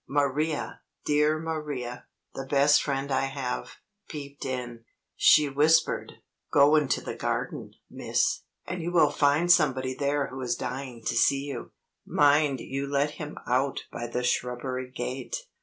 Maria, dear Maria, the best friend I have, peeped in. She whispered: "Go into the garden, miss, and you will find somebody there who is dying to see you. Mind you let him out by the shrubbery gate."